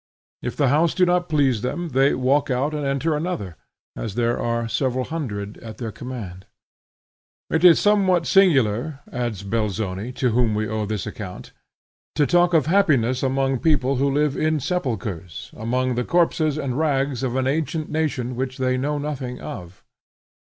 If the house do not please them, they walk out and enter another, as there are several hundreds at their command. "It is somewhat singular," adds Belzoni, to whom we owe this account, "to talk of happiness among people who live in sepulchres, among the corpses and rags of an ancient nation which they know nothing of."